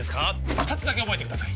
二つだけ覚えてください